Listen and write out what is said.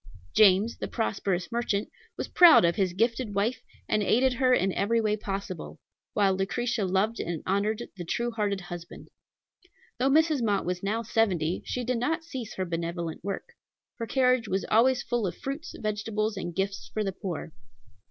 James, the prosperous merchant, was proud of his gifted wife, and aided her in every way possible; while Lucretia loved and honored the true hearted husband. Though Mrs. Mott was now seventy, she did not cease her benevolent work. Her carriage was always full of fruits, vegetables, and gifts for the poor.